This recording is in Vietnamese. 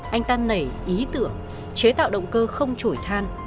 anh ta nảy ý tưởng chế tạo động cơ không chổi than